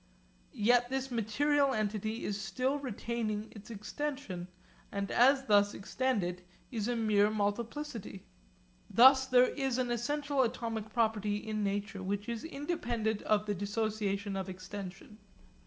Yet this material entity is still retaining its extension, and as thus extended is a mere multiplicity. Thus there is an essential atomic property in nature which is independent of the dissociation of extension.